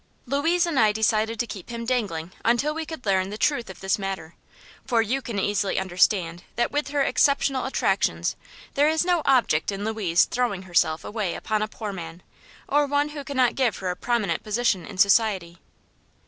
Louise and I decided to keep him dangling until we could learn the truth of this matter, for you can easily understand that with her exceptional attractions there is no object in Louise throwing herself away upon a poor man, or one who cannot give her a prominent position in society.